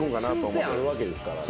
抽選あるわけですから。